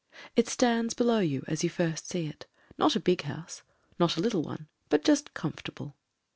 It stands below you as you first see it, not a big house, not a little one, but just comfortable.